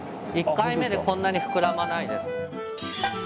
１回目でこんなに膨らまないです。